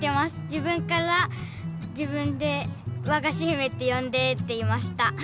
自分から自分で「『わがしひめ』ってよんで」って言いました。